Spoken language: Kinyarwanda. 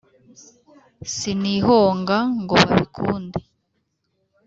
Sinihonga ngo babikunde